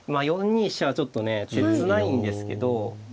４二飛車はちょっとね切ないんですけど。